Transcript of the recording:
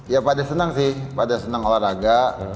ya pada senang sih pada senang olahraga